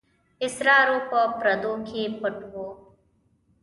اسرارو په پردو کې پټ وو.